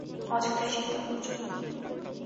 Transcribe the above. অযথাই চিন্তা করছো তুমি।